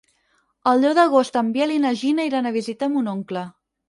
El deu d'agost en Biel i na Gina iran a visitar mon oncle.